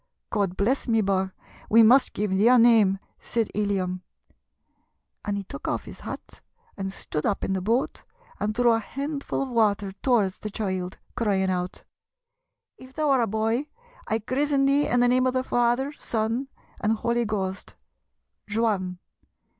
'God bless me, bogh, we mus' give thee a name!' said Illiam. And he took off his hat, and stood up in the boat, and threw a handful of water towards the child, crying out: 'If thou are a boy, I chrizzen thee in the name of the Father, Son, and Holy Ghost, Juan!